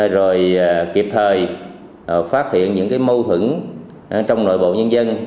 rồi kịp thời phát hiện những mâu thuẫn trong nội bộ nhân dân